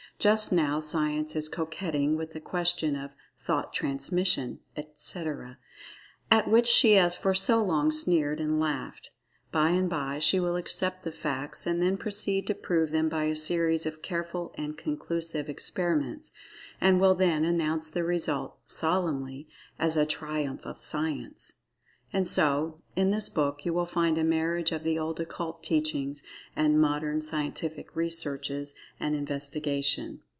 Just now Science is coquetting with the question of "Thought Transmission," etc., at which she has for so long sneered and laughed. By and by she will accept the facts, and then proceed to prove them by a series of careful and conclusive experiments, and will then announce the result, solemnly, as "a triumph of Science." And so, in this book you will find a marriage of the old Occult Teachings and Modern Scientific Researches and Investigation.